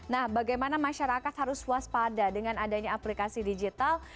nah bagaimana masyarakat harus waspada dengan adanya aplikasi digital